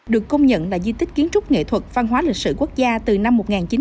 được công nhận là di tích kiến trúc nghệ thuật văn hóa lịch sử quốc gia từ năm một nghìn chín trăm chín mươi